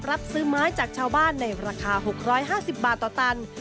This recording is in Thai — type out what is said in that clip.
รับซื้อไม้จากชาวบ้านในราคา๖๕๐บาทต่อตัน